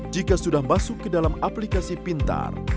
jika sudah masuk ke dalam aplikasi pintar